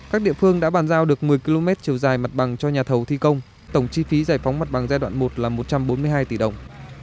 các địa phương đã bàn giao được một mươi km chiều dài mặt bằng cho nhà thầu thi công tổng chi phí giải phóng mặt bằng giai đoạn một là một trăm bốn mươi hai tỷ đồng